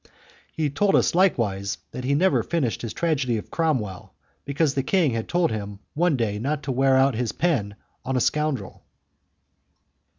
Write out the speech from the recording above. He told us likewise that he had never finished his tragedy of Cromwell, because the king had told him one day not to wear out his pen on a scoundrel.